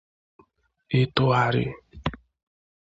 ịtụgharị